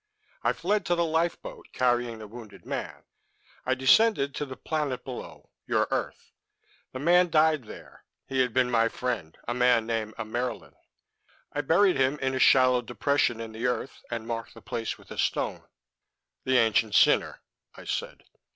I fled to the lifeboat, carrying the wounded man. I descended to the planet below: your earth. The man died there. He had been my friend, a man named Ammaerln. I buried him in a shallow depression in the earth and marked the place with a stone." "The ancient sinner," I said.